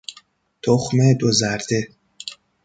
تخم دو زرده